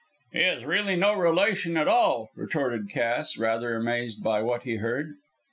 "He is really no relation at all," retorted Cass, rather amazed by what he heard.